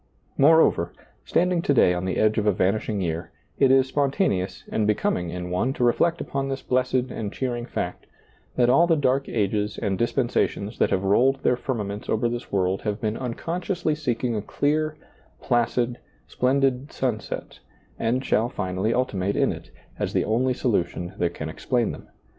Moreover, standing to day on the edge of a vanishing year, it is spontaneous and becoming in one to reflect upon this blessed and cheering fact, that all the dark ages and dispensations that have rolled their firmaments over this world have been unconsciously seeking a clear, placid, splen did sunset, and shall finally ultimate in it, as the only solution that can explain them.